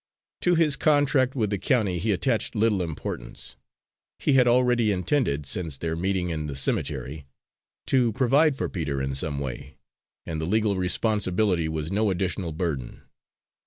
To his contract with the county he attached little importance; he had already intended, since their meeting in the cemetery, to provide for Peter in some way, and the legal responsibility was no additional burden.